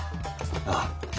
ああ。